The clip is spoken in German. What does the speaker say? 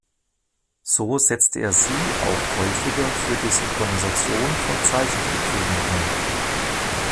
So setzte er sie auch häufiger für die Synchronisation von Zeichentrickfilmen ein.